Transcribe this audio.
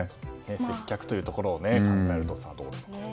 接客というところを考えるとですね。